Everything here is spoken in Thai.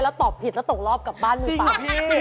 แล้วตอบผิดแล้วตกรอบกลับบ้านมือเปล่า